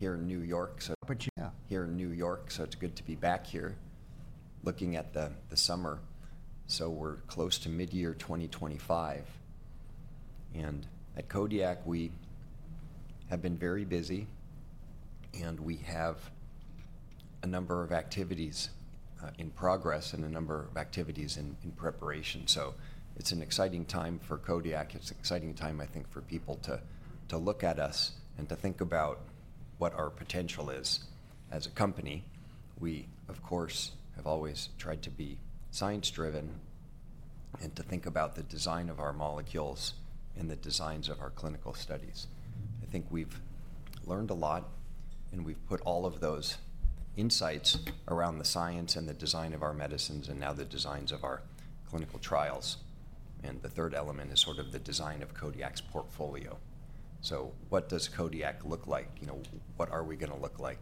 Here in New York, yeah, here in New York, so it's good to be back here looking at the summer. We're close to mid-year 2025, and at Kodiak, we have been very busy, and we have a number of activities in progress and a number of activities in preparation. It's an exciting time for Kodiak. It's an exciting time, I think, for people to look at us and to think about what our potential is as a company. We, of course, have always tried to be science-driven and to think about the design of our molecules and the designs of our clinical studies. I think we've learned a lot, and we've put all of those insights around the science and the design of our medicines and now the designs of our clinical trials. The third element is sort of the design of Kodiak's portfolio. So what does Kodiak look like? You know, what are we going to look like,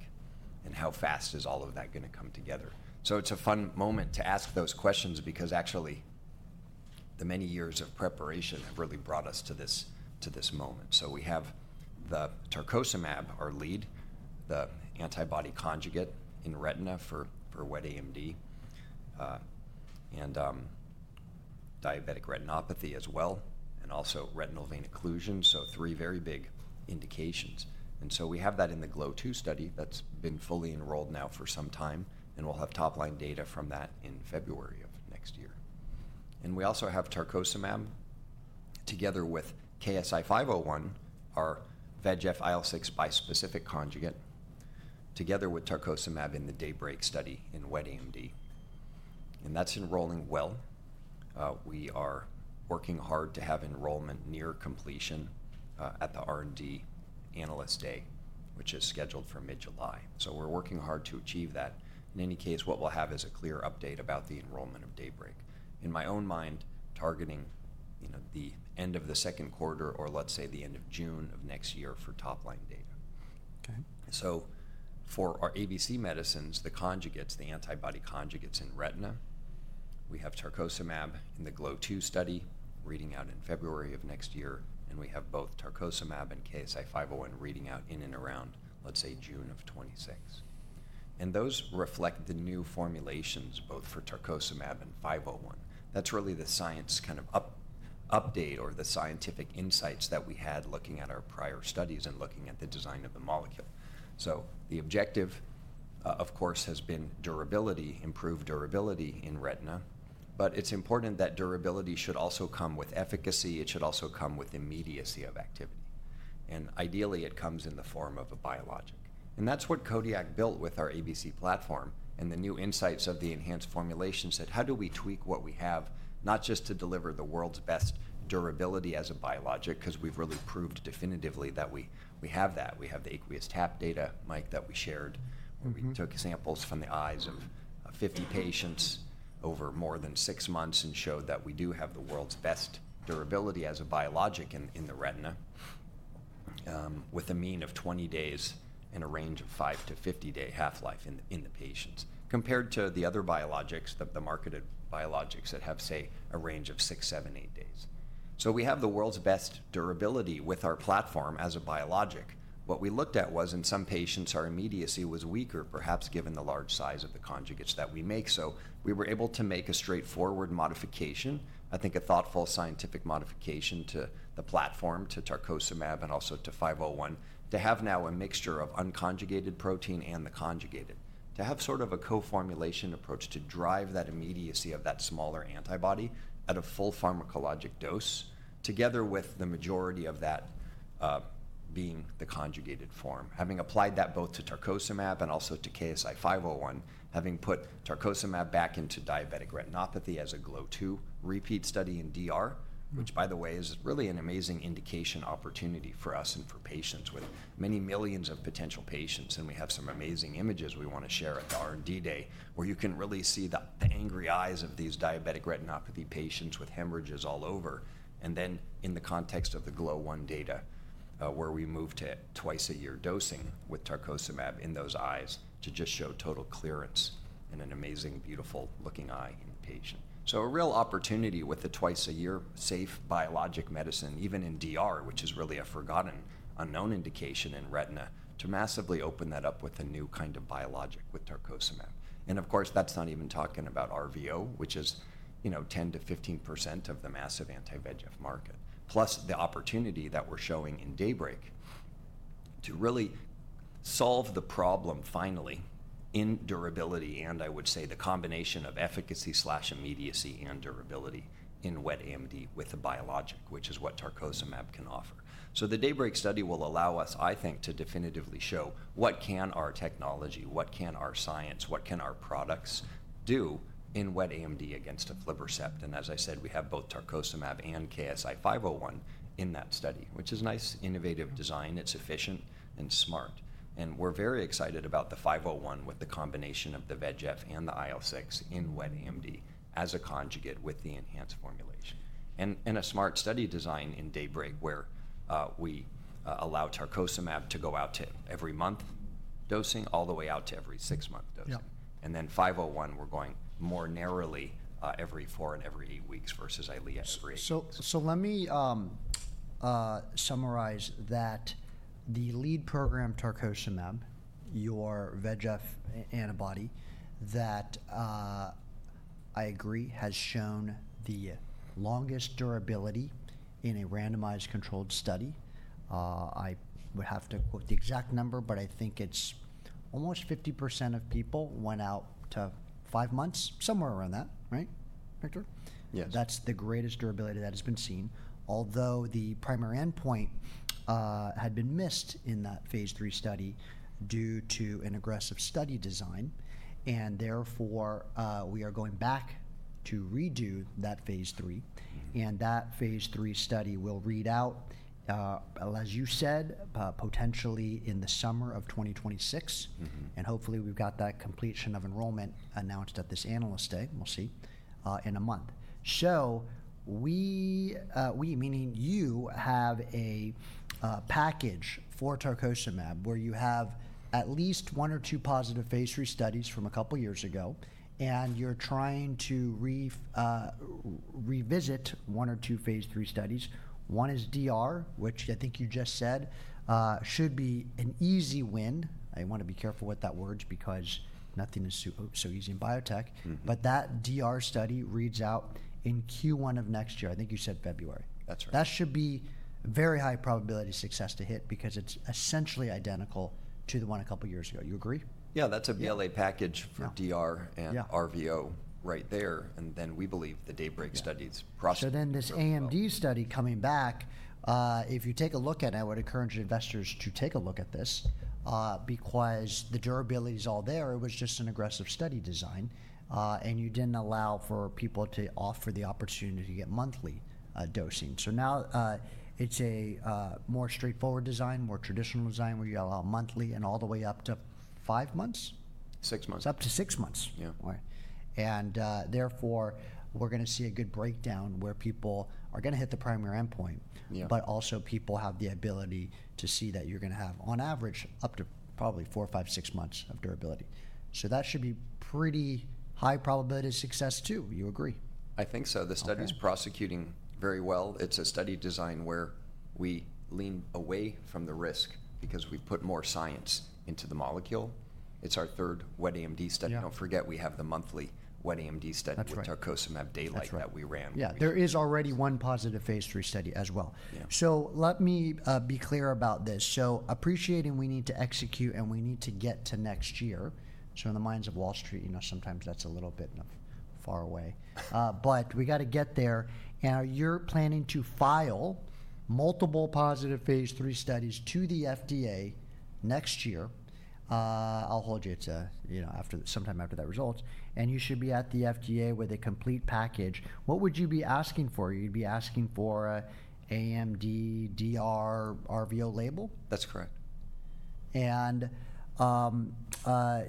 and how fast is all of that going to come together? It's a fun moment to ask those questions because, actually, the many years of preparation have really brought us to this moment. We have the tarcocimab, our lead, the antibody conjugate in retina for wet AMD and diabetic retinopathy as well, and also retinal vein occlusion, so 3 very big indications. We have that in the GLO2 study that's been fully enrolled now for some time, and we'll have top-line data from that in February of next year. We also have tarcocimab together with KSI-501, our VEGF IL-6 bispecific conjugate, together with tarcocimab in the DAYBREAK study in wet AMD. That's enrolling well. We are working hard to have enrollment near completion at the R&D Analyst Day, which is scheduled for mid-July. We are working hard to achieve that. In any case, what we will have is a clear update about the enrollment of DAYBREAK, in my own mind, targeting, you know, the end of the second quarter or, let's say, the end of June of next year for top-line data. Okay. For our ABC medicines, the conjugates, the antibody conjugates in retina, we have tarcocimab in the GLO2 study reading out in February of next year, and we have both tarcocimab and KSI-501 reading out in and around, let's say, June of 2026. Those reflect the new formulations both for tarcocimab and 501. That is really the science kind of update or the scientific insights that we had looking at our prior studies and looking at the design of the molecule. The objective, of course, has been durability, improved durability in retina, but it is important that durability should also come with efficacy. It should also come with immediacy of activity. Ideally, it comes in the form of a biologic. That is what Kodiak built with our ABC platform and the new insights of the enhanced formulations. How do we tweak what we have, not just to deliver the world's best durability as a biologic, because we've really proved definitively that we have that? We have the aqueous tap data, might that we shared when we took samples from the eyes of 50 patients over more than 6 months and showed that we do have the world's best durability as a biologic in the retina with a mean of 20 days and a range of 5-50 day half-life in the patients, compared to the other biologics, the marketed biologics that have, say, a range of 6, 7, 8 days. We have the world's best durability with our platform as a biologic. What we looked at was, in some patients, our immediacy was weaker, perhaps given the large size of the conjugates that we make. We were able to make a straightforward modification, I think a thoughtful scientific modification to the platform, to tarcocimab and also to 501, to have now a mixture of unconjugated protein and the conjugated, to have sort of a co-formulation approach to drive that immediacy of that smaller antibody at a full pharmacologic dose, together with the majority of that being the conjugated form. Having applied that both to tarcocimab and also to KSI-501, having put tarcocimab back into diabetic retinopathy as a GLO2 repeat study in DR, which, by the way, is really an amazing indication opportunity for us and for patients with many millions of potential patients. We have some amazing images we want to share at the R&D day where you can really see the angry eyes of these diabetic retinopathy patients with hemorrhages all over. In the context of the GLO1 data, where we move to twice-a-year dosing with tarcocimab in those eyes to just show total clearance in an amazing, beautiful-looking eye in the patient. A real opportunity with the twice-a-year safe biologic medicine, even in DR, which is really a forgotten, unknown indication in retina, to massively open that up with a new kind of biologic with tarcocimab. Of course, that is not even talking about RVO, which is, you know, 10-15% of the massive anti-VEGF market, plus the opportunity that we are showing in DAYBREAK to really solve the problem finally in durability and, I would say, the combination of efficacy/immediacy and durability in wet AMD with a biologic, which is what tarcocimab can offer. The DAYBREAK study will allow us, I think, to definitively show what can our technology, what can our science, what can our products do in wet AMD against aflibercept. As I said, we have both tarcocimab and KSI-501 in that study, which is a nice, innovative design. It is efficient and smart. We are very excited about the 501 with the combination of the VEGF and the IL-6 in wet AMD as a conjugate with the enhanced formulation. A smart study design in DAYBREAK allows tarcocimab to go out to every month dosing all the way out to every 6-month dosing. Then 501, we are going more narrowly every four and every eight weeks versus Eylea's 3. Let me summarize that the lead program, tarcocimab, your VEGF antibody, that I agree has shown the longest durability in a randomized controlled study. I would have to quote the exact number, but I think it's almost 50% of people went out to 5 months, somewhere around that, right, Victor? Yes. That's the greatest durability that has been seen, although the primary endpoint had been missed in that phase III study due to an aggressive study design. Therefore, we are going back to redo that phase III. That phase three III will read out, as you said, potentially in the summer of 2026. Hopefully, we've got that completion of enrollment announced at this Analyst Day. We'll see in a month. We, meaning you, have a package for tarcocimab where you have at least one or two positive phase III studies from a couple of years ago, and you're trying to revisit one or two phase III studies. One is DR, which I think you just said should be an easy win. I want to be careful with that word because nothing is so easy in biotech. That DR study reads out in Q1 of next year. I think you said February. That's right. That should be very high probability success to hit because it's essentially identical to the one a couple of years ago. You agree? Yeah, that's a BLA package for DR and RVO right there. We believe the DAYBREAK study's process. Then this AMD study coming back, if you take a look at it, I would encourage investors to take a look at this because the durability's all there. It was just an aggressive study design, and you did not allow for people to offer the opportunity to get monthly dosing. Now it is a more straightforward design, more traditional design where you allow monthly and all the way up to 5 months? 6 months. It's up to 6 months. Yeah. All right. Therefore, we're going to see a good breakdown where people are going to hit the primary endpoint, but also people have the ability to see that you're going to have, on average, up to probably 4, 5, 6months of durability. That should be pretty high probability success too. You agree? I think so. The study's progressing very well. It's a study design where we lean away from the risk because we've put more science into the molecule. It's our third wet AMD study. Don't forget we have the monthly wet AMD study with tarcocimab DAYLIGHT that we ran. There is already one positive phase III study as well. Let me be clear about this. Appreciating we need to execute and we need to get to next year. In the minds of Wall Street, you know, sometimes that's a little bit far away. We got to get there. You're planning to file multiple positive phase III studies to the FDA next year. I'll hold you. It's a, you know, after sometime after that results. You should be at the FDA with a complete package. What would you be asking for? You'd be asking for an AMD, DR, RVO label? That's correct.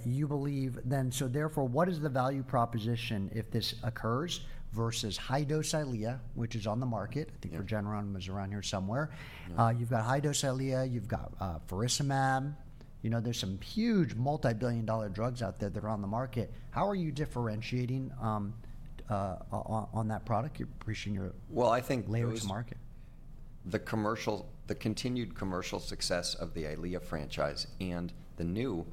You believe then, so therefore, what is the value proposition if this occurs versus high-dose Eylea, which is on the market? I think Regeneron was around here somewhere. You have got high-dose Eylea. You have got Faricimab. You know, there are some huge multi-billion-dollar drugs out there that are on the market. How are you differentiating on that product? You are appreciating your layers to market. I think the commercial, the continued commercial success of the Eylea franchise and the new,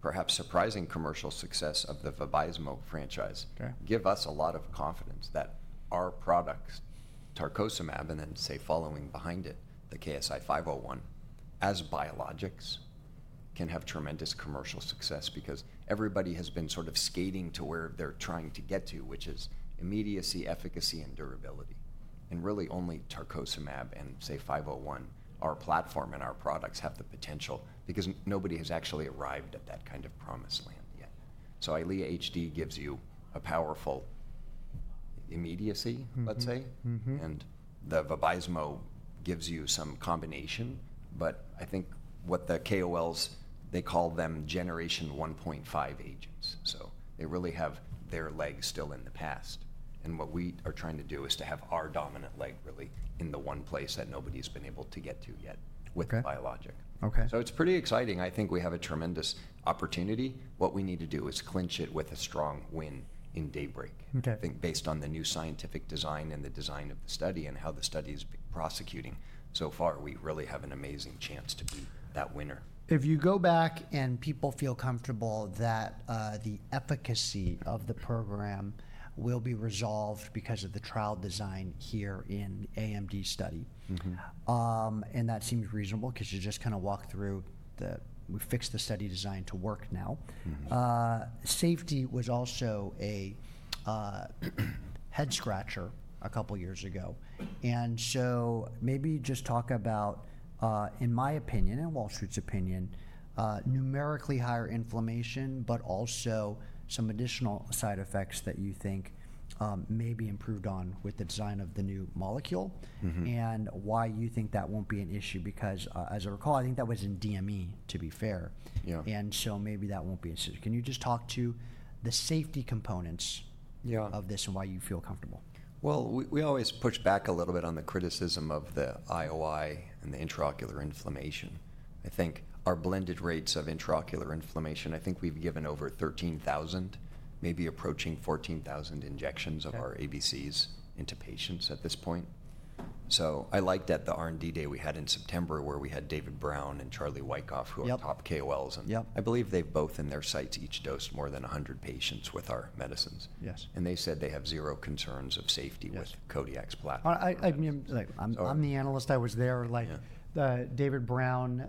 perhaps surprising commercial success of the Vabysmo franchise give us a lot of confidence that our products, tarcocimab, and then, say, following behind it, the KSI-501, as biologics can have tremendous commercial success because everybody has been sort of skating to where they're trying to get to, which is immediacy, efficacy, and durability. Really, only tarcocimab and, say, 501, our platform and our products have the potential because nobody has actually arrived at that kind of promised land yet. Eylea HD gives you a powerful immediacy, let's say, and the Vabysmo gives you some combination. I think what the KOLs, they call them generation 1.5 agents. They really have their leg still in the past. What we are trying to do is to have our dominant leg really in the one place that nobody's been able to get to yet with biologic. Okay. It's pretty exciting. I think we have a tremendous opportunity. What we need to do is clinch it with a strong win in DAYBREAK. Okay. I think based on the new scientific design and the design of the study and how the study's prosecuting so far, we really have an amazing chance to be that winner. If you go back and people feel comfortable that the efficacy of the program will be resolved because of the trial design here in the AMD study, and that seems reasonable because you just kind of walk through the, we fixed the study design to work now. Safety was also a head-scratcher a couple of years ago. Maybe just talk about, in my opinion, in Wall Street's opinion, numerically higher inflammation, but also some additional side effects that you think may be improved on with the design of the new molecule and why you think that won't be an issue because, as I recall, I think that was in DME, to be fair. Yeah. Maybe that won't be an issue. Can you just talk to the safety components of this and why you feel comfortable? We always push back a little bit on the criticism of the IOI and the intraocular inflammation. I think our blended rates of intraocular inflammation, I think we've given over 13,000, maybe approaching 14,000 injections of our ABCs into patients at this point. I liked at the R&D day we had in September where we had David Brown and Charlie Wyckoff, who are top KOLs, and I believe they've both in their sites each dosed more than 100 patients with our medicines. Yes. They said they have 0 concerns of safety with Kodiak's platform. I mean, look, I'm the analyst. I was there. Like David Brown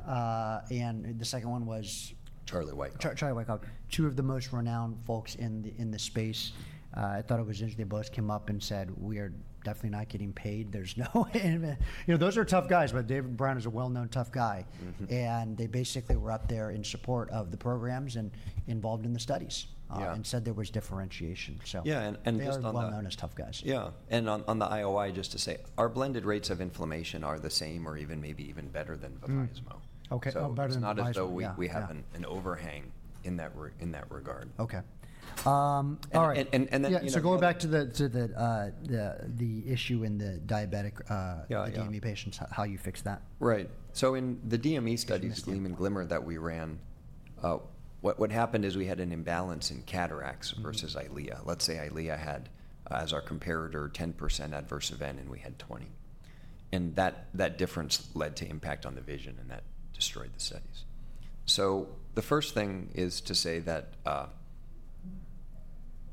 and the second one was. Charlie Wyckoff. Charlie Wyckoff, 2 of the most renowned folks in the space. I thought it was interesting. They both came up and said, "We are definitely not getting paid. There's no way." You know, those are tough guys, but David Brown is a well-known tough guy. They basically were up there in support of the programs and involved in the studies and said there was differentiation. Yeah. They are well known as tough guys. Yeah. On the IOI, just to say, our blended rates of inflammation are the same or even maybe even better than Vabysmo. Okay. It's not as though we have an overhang in that regard. Okay. All right. So going back to the issue in the diabetic DME patients, how you fixed that? Right. In the DME studies, GLEAM and GLIMMER that we ran, what happened is we had an imbalance in cataracts versus Eylea. Let's say Eylea had, as our comparator, 10% adverse event and we had 20%. That difference led to impact on the vision, and that destroyed the studies. The first thing is to say that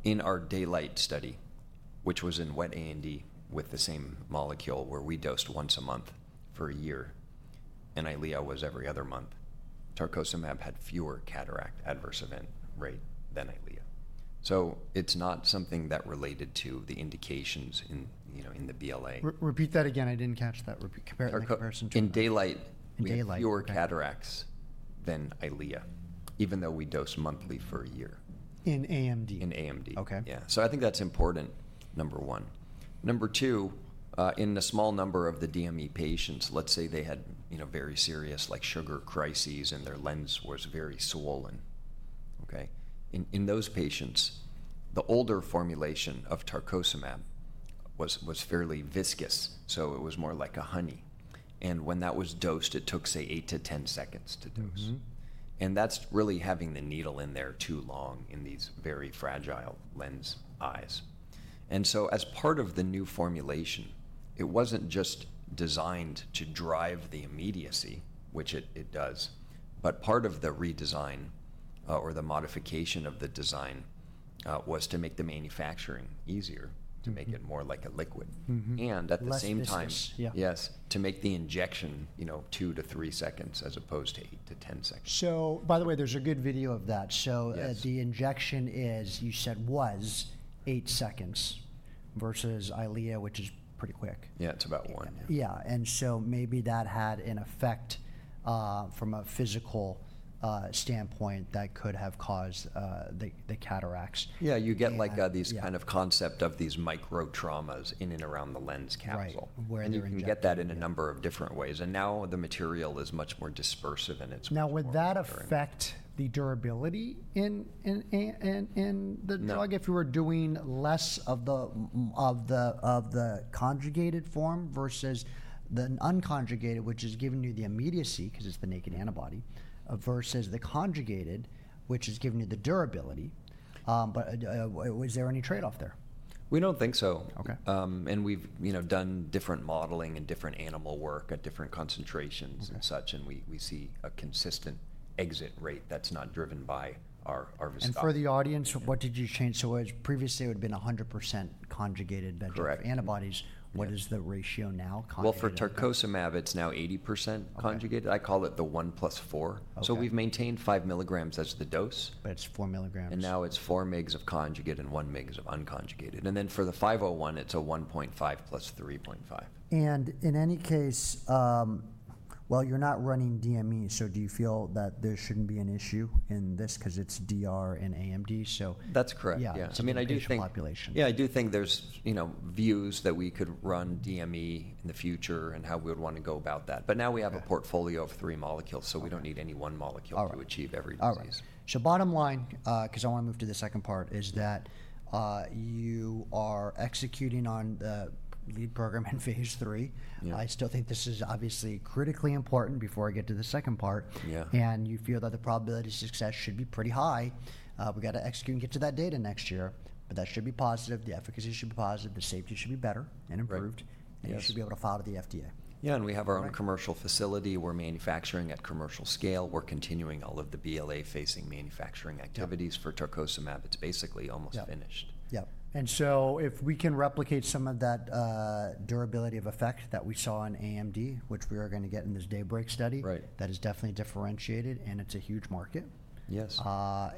in our DAYLIGHT study, which was in wet AMD with the same molecule where we dosed once a month for a year and Eylea was every other month, tarcocimab had fewer cataract adverse event rate than Eylea. It is not something that related to the indications in the BLA. Repeat that again. I didn't catch that. Compare it. In DAYLIGHT, we have fewer cataracts than Eylea, even though we dose monthly for a year. In AMD? In AMD. Okay. Yeah. I think that's important, number one. Number two, in the small number of the DME patients, let's say they had very serious, like sugar crises, and their lens was very swollen. Okay. In those patients, the older formulation of tarkosamab was fairly viscous, so it was more like a honey. When that was dosed, it took, say, eight to ten seconds to dose. That's really having the needle in there too long in these very fragile lens eyes. As part of the new formulation, it wasn't just designed to drive the immediacy, which it does, but part of the redesign or the modification of the design was to make the manufacturing easier, to make it more like a liquid. At the same time. Less viscous. Yes. To make the injection, you know, two to three seconds as opposed to eight to ten seconds. By the way, there's a good video of that. The injection is, you said, was eight seconds versus Eylea, which is pretty quick. Yeah, it's about one. Yeah. Maybe that had an effect from a physical standpoint that could have caused the cataracts. Yeah. You get like these kind of concept of these microtraumas in and around the lens capsule. Right. Where they're injected. You can get that in a number of different ways. Now the material is much more dispersive in its material. Now, would that affect the durability in the drug if you were doing less of the conjugated form versus the unconjugated, which is giving you the immediacy because it's the naked antibody versus the conjugated, which is giving you the durability? Was there any trade-off there? We don't think so. Okay. We've, you know, done different modeling and different animal work at different concentrations and such, and we see a consistent exit rate that's not driven by our viscosity. For the audience, what did you change? Previously it would have been 100% conjugated ventricular antibodies. What is the ratio now? For tarcocimab, it's now 80% conjugated. I call it the one plus four. So we've maintained 5 milligrams as the dose. It is 4 milligrams. Now it's 4 megs of conjugated and 1 megs of unconjugated. And then for the 501, it's a 1.5 plus 3.5. In any case, you're not running DME, so do you feel that there shouldn't be an issue in this because it's DR and AMD? That's correct. Yeah. I mean, I do think. In the population. Yeah, I do think there's, you know, views that we could run DME in the future and how we would want to go about that. Right now we have a portfolio of three molecules, so we don't need any one molecule to achieve every disease. All right. So bottom line, because I want to move to the second part, is that you are executing on the lead program in phase III. I still think this is obviously critically important before I get to the second part. Yeah. You feel that the probability of success should be pretty high. We got to execute and get to that data next year, but that should be positive. The efficacy should be positive. The safety should be better and improved. Yes. You should be able to file with the FDA. Yeah. We have our own commercial facility. We're manufacturing at commercial scale. We're continuing all of the BLA-facing manufacturing activities for tarcocimab. It's basically almost finished. Yep. If we can replicate some of that durability of effect that we saw in AMD, which we are going to get in this DAYBREAK study. Right. That is definitely differentiated, and it's a huge market. Yes.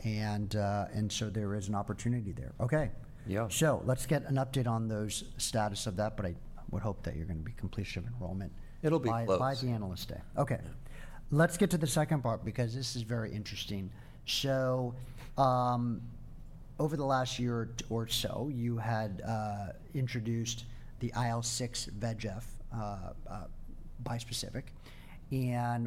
There is an opportunity there. Okay. Yeah. Let's get an update on the status of that, but I would hope that you're going to be completion of enrollment. It'll be close. By the analyst day. Okay. Let's get to the second part because this is very interesting. Over the last year or so, you had introduced the IL-6 VEGF bispecific.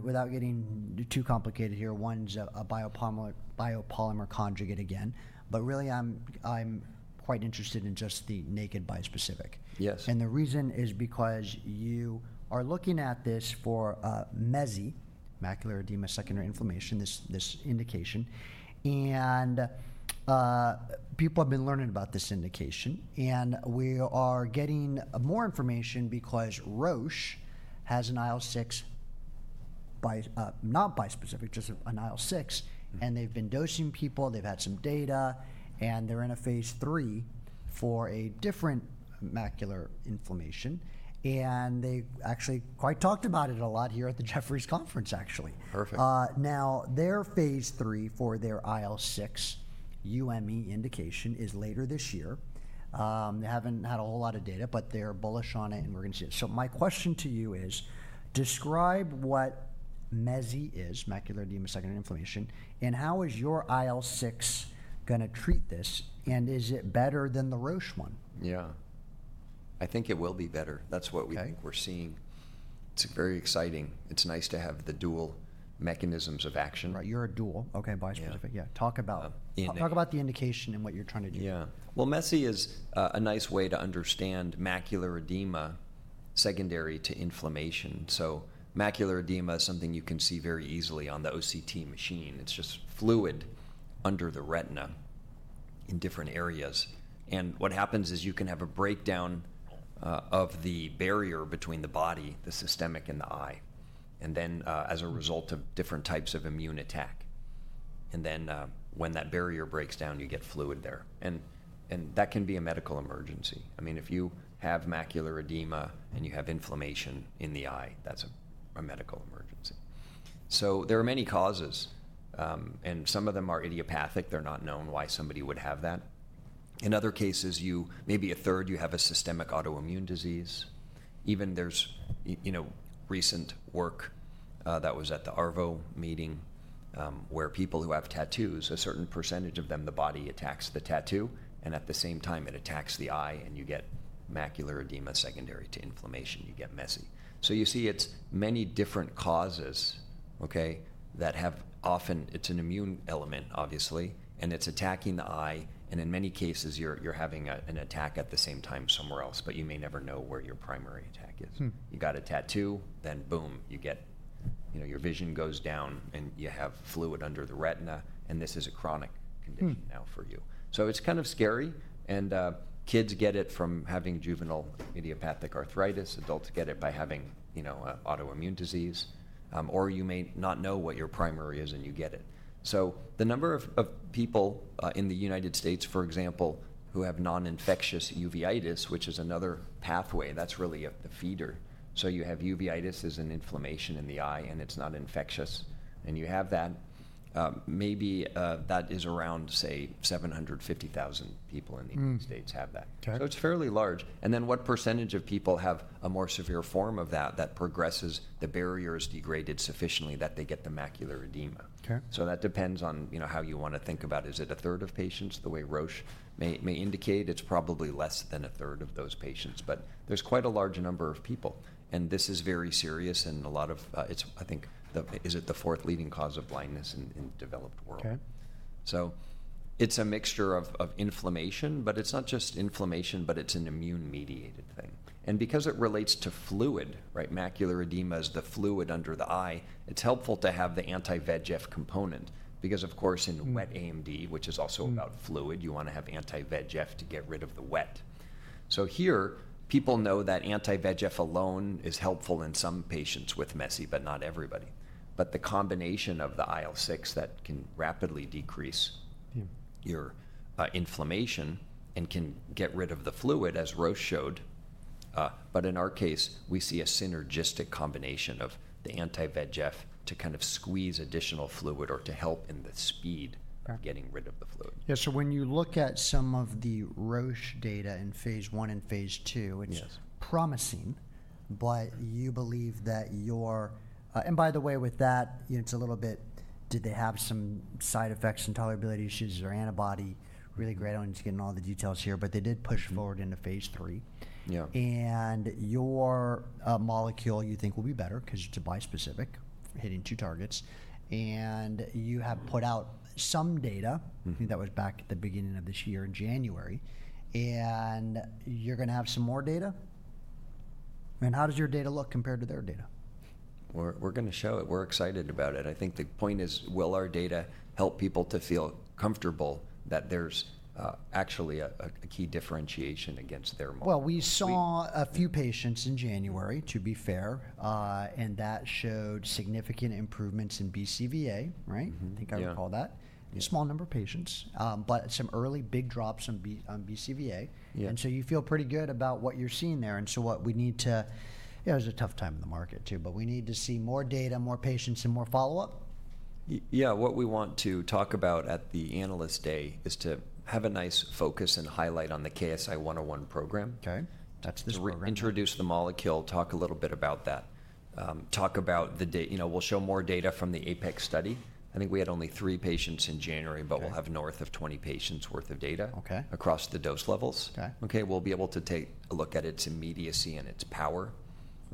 Without getting too complicated here, one's a biopolymer conjugate again. I'm quite interested in just the naked bispecific. Yes. The reason is because you are looking at this for MESI, macular edema secondary to inflammation, this indication. People have been learning about this indication. We are getting more information because Roche has an IL-6, not bispecific, just an IL-6. They have been dosing people. They have had some data. They are in a phase III for a different macular inflammation. They actually quite talked about it a lot here at the Jeffries Conference, actually. Perfect. Now, their phase III for their IL-6 UME indication is later this year. They haven't had a whole lot of data, but they're bullish on it, and we're going to see it. My question to you is, describe what MESI is, macular edema secondary to inflammation, and how is your IL-6 going to treat this? Is it better than the Roche one? Yeah. I think it will be better. That's what we think we're seeing. It's very exciting. It's nice to have the dual mechanisms of action. Right. You're a dual. Okay. Bispecific. Yeah. Yeah. Talk about the indication and what you're trying to do. Yeah. MESI is a nice way to understand macular edema secondary to inflammation. Macular edema is something you can see very easily on the OCT machine. It's just fluid under the retina in different areas. What happens is you can have a breakdown of the barrier between the body, the systemic, and the eye, as a result of different types of immune attack. When that barrier breaks down, you get fluid there. That can be a medical emergency. I mean, if you have macular edema and you have inflammation in the eye, that's a medical emergency. There are many causes, and some of them are idiopathic. They're not known why somebody would have that. In other cases, maybe a third, you have a systemic autoimmune disease. Even there's, you know, recent work that was at the ARVO meeting where people who have tattoos, a certain percentage of them, the body attacks the tattoo. At the same time, it attacks the eye, and you get macular edema secondary to inflammation. You get MESI. You see it's many different causes, okay, that have often, it's an immune element, obviously, and it's attacking the eye. In many cases, you're having an attack at the same time somewhere else, but you may never know where your primary attack is. You got a tattoo, then boom, you get, you know, your vision goes down and you have fluid under the retina, and this is a chronic condition now for you. It's kind of scary. Kids get it from having juvenile idiopathic arthritis. Adults get it by having, you know, autoimmune disease. You may not know what your primary is and you get it. The number of people in the United States, for example, who have non-infectious uveitis, which is another pathway, that's really a feeder. You have uveitis as an inflammation in the eye, and it's not infectious. You have that. Maybe that is around, say, 750,000 people in the United States have that. Okay. It is fairly large. And then what percentage of people have a more severe form of that that progresses? The barrier is degraded sufficiently that they get the macular edema. Okay. That depends on, you know, how you want to think about it. Is it a third of patients the way Roche may indicate? It's probably less than a third of those patients. There is quite a large number of people. This is very serious. A lot of it, I think, is it the fourth leading cause of blindness in the developed world? Okay. It's a mixture of inflammation, but it's not just inflammation, but it's an immune-mediated thing. And because it relates to fluid, right, macular edema is the fluid under the eye, it's helpful to have the anti-VEGF component because, of course, in wet AMD, which is also about fluid, you want to have anti-VEGF to get rid of the wet. Here, people know that anti-VEGF alone is helpful in some patients with MESI, but not everybody. The combination of the IL-6 that can rapidly decrease your inflammation and can get rid of the fluid, as Roche showed. In our case, we see a synergistic combination of the anti-VEGF to kind of squeeze additional fluid or to help in the speed of getting rid of the fluid. Yeah. When you look at some of the Roche data in phase I and phase II, it's promising. Yes. You believe that your, and by the way, with that, you know, it's a little bit, did they have some side effects and tolerability issues or antibody? Really great on getting all the details here, but they did push forward into phase III. Yeah. Your molecule you think will be better because it's a bispecific hitting two targets. You have put out some data. I think that was back at the beginning of this year in January. You're going to have some more data. How does your data look compared to their data? We're going to show it. We're excited about it. I think the point is, will our data help people to feel comfortable that there's actually a key differentiation against their molecule? We saw a few patients in January, to be fair, and that showed significant improvements in BCVA, right? I think I recall that. Yeah. A small number of patients, but some early big drops on BCVA. Yeah. You feel pretty good about what you're seeing there. What we need to, you know, it was a tough time in the market too, but we need to see more data, more patients, and more follow-up. Yeah. What we want to talk about at the analyst day is to have a nice focus and highlight on the KSI-101 program. Okay. That's this program. Introduce the molecule, talk a little bit about that. Talk about the data. You know, we'll show more data from the APEX study. I think we had only three patients in January, but we'll have north of 20 patients' worth of data. Okay. Across the dose levels. Okay. Okay. We'll be able to take a look at its immediacy and its power,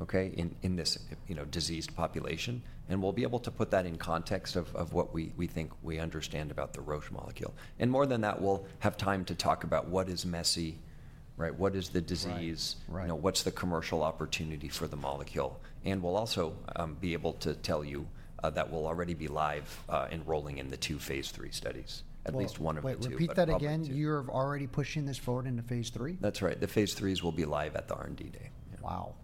okay, in this, you know, diseased population. And we'll be able to put that in context of what we think we understand about the Roche molecule. And more than that, we'll have time to talk about what is MESI, right? What is the disease? Right. You know, what's the commercial opportunity for the molecule? And we'll also be able to tell you that we'll already be live enrolling in the two phase III studies, at least one of the two. Wait. Repeat that again. You're already pushing this forward into phase III? That's right. The phase III will be live at the R&D day. Wow.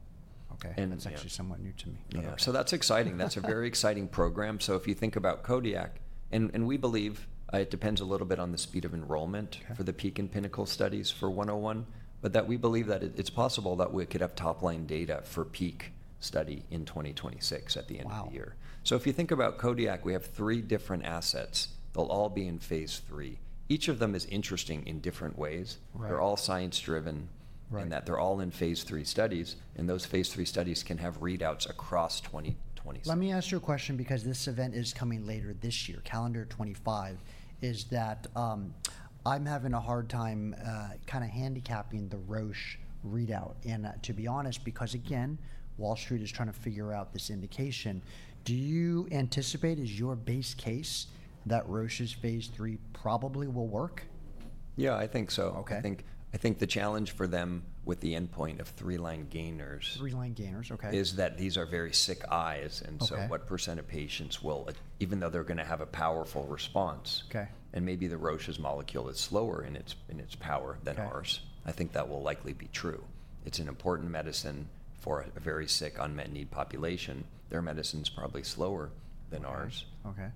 Okay. It's actually somewhat new to me. Yeah. That's exciting. That's a very exciting program. If you think about Kodiak, and we believe it depends a little bit on the speed of enrollment for the PEAK and PINNACLE studies for 101, but we believe that it's possible that we could have top-line data for PEAK study in 2026 at the end of the year. Wow. If you think about Kodiak, we have three different assets. They'll all be in phase III. Each of them is interesting in different ways. Right. They're all science-driven. Right. They are all in phase III studies. Those phase III studies can have readouts across 2026. Let me ask you a question because this event is coming later this year, calendar 2025. Is that, I'm having a hard time kind of handicapping the Roche readout. And to be honest, because again, Wall Street is trying to figure out this indication. Do you anticipate, is your base case that Roche's phase III probably will work? Yeah, I think so. Okay. I think the challenge for them with the endpoint of three-line gainers. Three-line gainers. Okay. Is that these are very sick eyes. Okay. What percent of patients will, even though they're going to have a powerful response? Okay. Maybe the Roche molecule is slower in its power than ours. Okay. I think that will likely be true. It's an important medicine for a very sick unmet need population. Their medicine's probably slower than ours. Okay.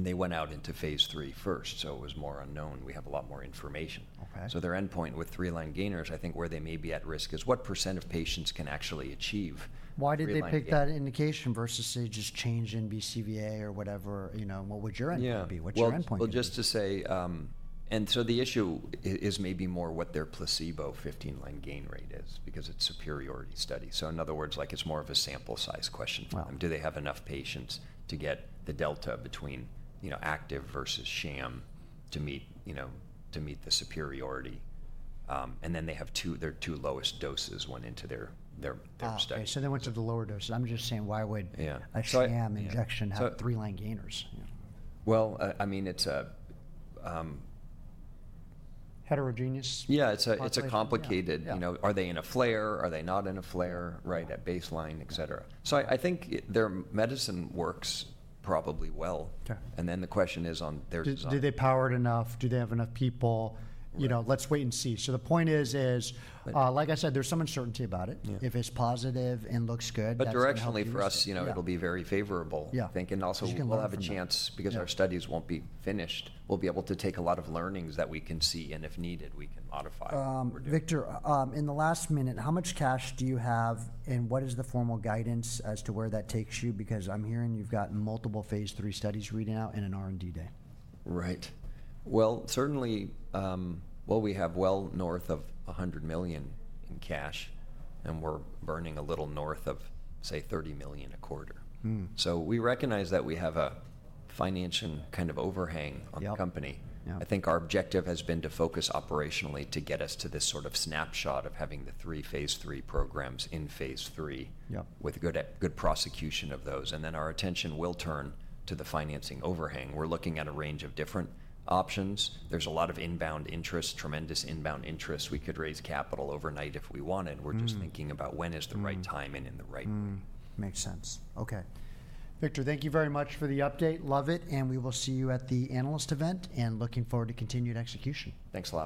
They went out into phase III first, so it was more unknown. We have a lot more information. Okay. Their endpoint with three-line gainers, I think where they may be at risk is what % of patients can actually achieve. Why did they pick that indication versus say just change in BCVA or whatever, you know, what would your endpoint be? Yeah. What's your endpoint? Just to say, and so the issue is maybe more what their placebo 15-line gain rate is because it's a superiority study. In other words, like it's more of a sample size question for them. Wow. Do they have enough patients to get the delta between, you know, active versus sham to meet, you know, to meet the superiority? They have two, their two lowest doses went into their study. Okay. So they went to the lower doses. I'm just saying, why would a sham injection have three-line gainers? I mean, it's. Heterogeneous? Yeah. It's a complicated, you know, are they in a flare? Are they not in a flare, right, at baseline, et cetera? I think their medicine works probably well. Okay. The question is on there. Did they power it enough? Do they have enough people? You know, let's wait and see. The point is, like I said, there's some uncertainty about it. Yeah. If it's positive and looks good. Directionally for us, you know, it'll be very favorable. Yeah. I think. Also, we'll have a chance because our studies won't be finished. We'll be able to take a lot of learnings that we can see. If needed, we can modify or do. Victor, in the last minute, how much cash do you have? What is the formal guidance as to where that takes you? Because I'm hearing you've got multiple phase III studies reading out and an R&D day. Right. Certainly, we have well north of $100 million in cash. And we're burning a little north of, say, $30 million a quarter. We recognize that we have a financing kind of overhang on the company. Yeah. I think our objective has been to focus operationally to get us to this sort of snapshot of having the three phase III programs in phase III. Yeah. With good prosecution of those. Our attention will turn to the financing overhang. We're looking at a range of different options. There's a lot of inbound interest, tremendous inbound interest. We could raise capital overnight if we wanted. We're just thinking about when is the right time and in the right move. Makes sense. Okay. Victor, thank you very much for the update. Love it. We will see you at the analyst event and looking forward to continued execution. Thanks a lot.